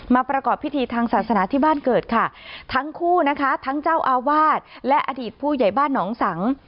ประกอบพิธีทางศาสนาที่บ้านเกิดค่ะทั้งคู่นะคะทั้งเจ้าอาวาสและอดีตผู้ใหญ่บ้านหนองสัง